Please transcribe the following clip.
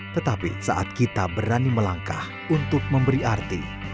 tetapi saat kita berani melangkah untuk memberi arti